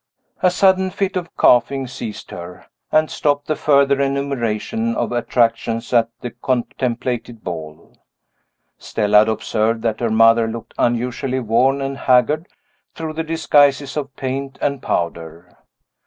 A sudden fit of coughing seized her, and stopped the further enumeration of attractions at the contemplated ball. Stella had observed that her mother looked unusually worn and haggard, through the disguises of paint and powder.